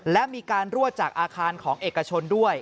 และมีการรั่วจากอาคารของเอกชนด้วย